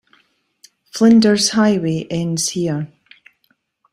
Flinders Highway ends here.